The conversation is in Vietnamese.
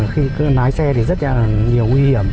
khi lái xe thì rất là nhiều nguy hiểm